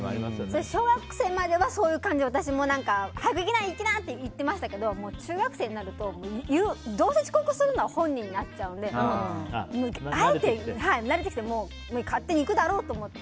それは小学生までは私も早く行きな！って言ってましたが中学生になるとどうせ遅刻するのは本人になっちゃうのであえて慣れてきて勝手に行くだろうと思って。